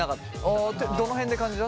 ああどの辺で感じた？